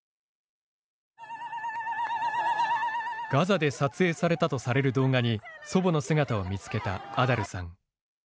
ガザで撮影されたとされる動画に祖母の姿を見つけたアダルさん。